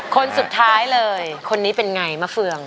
คนสุดท้ายเลยคนนี้เป็นไงมะเฟือง